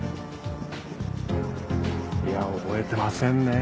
いや覚えてませんね。